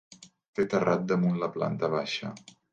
Té terrat damunt la planta baixa.